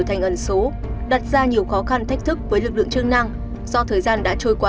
thành ẩn số đặt ra nhiều khó khăn thách thức với lực lượng chức năng do thời gian đã trôi qua